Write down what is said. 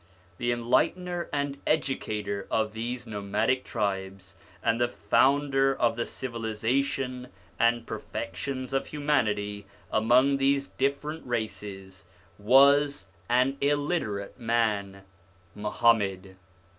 The enlightener and educator of these nomadic tribes, and the founder of the civilisa tion and perfections of humanity among these different races, was an illiterate man, Muhammad.